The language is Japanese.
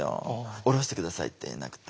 「降ろして下さい」って言えなくて。